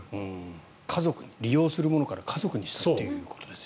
利用するものから家族にしたということですよ。